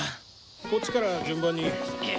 こっちから順番に。